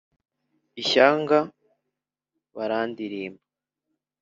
ishyanga barandirimba